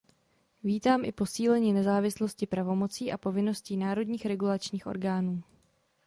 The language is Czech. Vítám i posílení nezávislosti pravomocí a povinností národních regulačních orgánů.